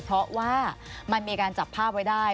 เพราะว่ามันมีการจับภาพไว้ได้